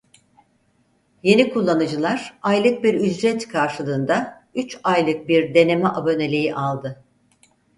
Yeni kullanıcılar aylık bir ücret karşılığında üç aylık bir deneme aboneliği aldı.